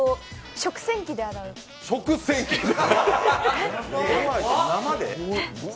食洗機で洗う？